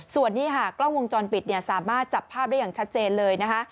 ส่วนนี้ค่ะกล้องวงจรปิดเนี่ยสามารถจับภาพได้อย่างชัดเจนเลยนะคะ